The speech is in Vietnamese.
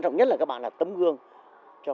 nụ cười đó